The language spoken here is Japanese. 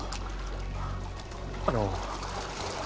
あの。